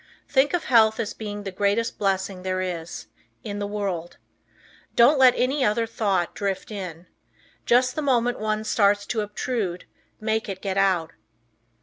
Think of health as being the greatest blessing there is, in the world. Don't let any other thought drift in. Just the moment one starts to obtrude, make it get out.